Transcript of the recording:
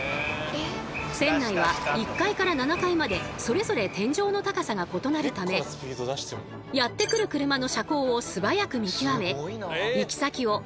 船内は１階から７階までそれぞれ天井の高さが異なるためやって来る車の車高を素早く見極め行き先を手で示しているんです。